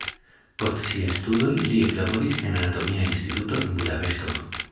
Post siaj studoj li eklaboris en anatomia instituto en Budapeŝto.